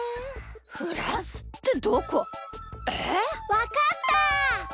わかった！